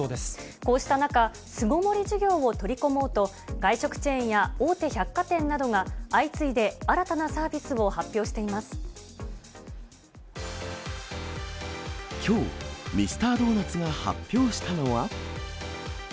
こうした中、巣ごもり需要を取り込もうと、外食チェーンや大手百貨店などが、相次いで新たなサービスを発表しきょう、ミスタードーナツが発表したのは。